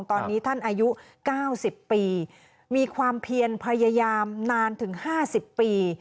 ตอนนี้ท่านอายุ๙๐ปีมีความเพียนพยายามนานถึง๕๐ปี